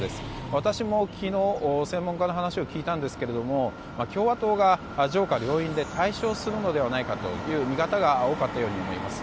私も昨日、専門家の話を聞いたんですが共和党が上下両院で大勝するのではないかという見方が多かったように思います。